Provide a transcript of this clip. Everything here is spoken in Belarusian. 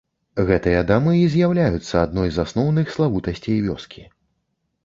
Гэтыя дамы і з'яўляюцца адной з асноўных славутасцей вёскі.